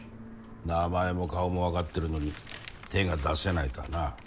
名前も顔もわかってるのに手が出せないとはな。